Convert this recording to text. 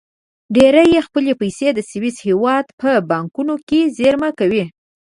ډېری یې خپلې پیسې د سویس هېواد په بانکونو کې زېرمه کوي.